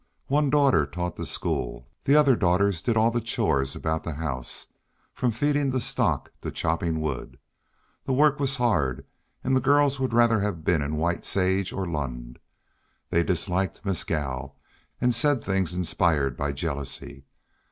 One daughter taught the school, the other daughters did all the chores about the house, from feeding the stock to chopping wood. The work was hard, and the girls would rather have been in White Sage or Lund. They disliked Mescal, and said things inspired by jealousy.